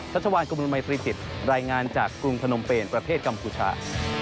ชัชวานกมุณมัยตรีจิตรายงานจากกรุงพนมเปญประเทศกัมพูชา